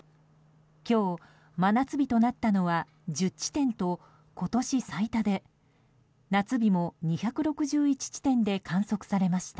今日、真夏日となったのは１０地点と今年最多で夏日も２６１地点で観測されました。